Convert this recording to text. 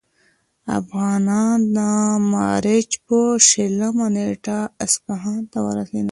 افغانان د مارچ په شلمه نېټه اصفهان ته ورسېدل.